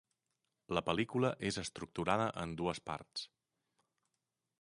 La pel·lícula és estructurada en dues parts.